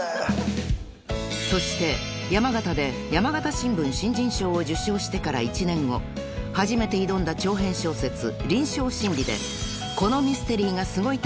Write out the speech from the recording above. ［そして山形で山形新聞新人賞を受賞してから１年後初めて挑んだ長編小説『臨床真理』で『このミステリーがすごい！』